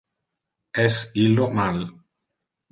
Es illo mal